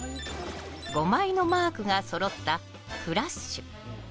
５枚のマークがそろったフラッシュ。